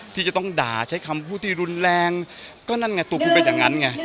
ที่จะต้องด่าใช้คำพูดที่รุนแรงก็นั่นไงตัวคุณเป็นอย่างนั้นไง